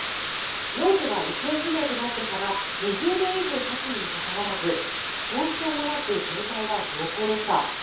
ノートは行方不明となってから２０年以上たつにもかかわらず損傷もなく状態は良好でした。